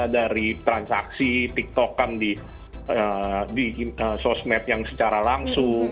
dari transaksi tiktokan di sosmed yang secara langsung